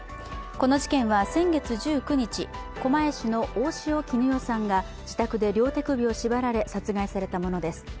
この事件は先月１９日、狛江市の大塩衣与さんが自宅で両手首を縛られ殺害されたものです。